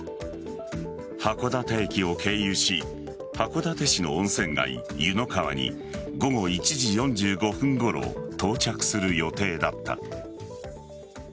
函館駅を経由し函館市の温泉街・湯の川に午後１時４５分ごろ到着する予定だった。